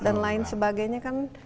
dan lain sebagainya kan